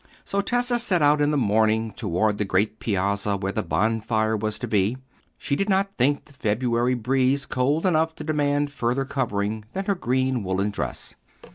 So Tessa set out in the morning towards the great Piazza where the bonfire was to be. She did not think the February breeze cold enough to demand further covering than her green woollen dress.